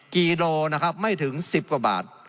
กิโลนะครับไม่ถึง๑๐กว่าบาท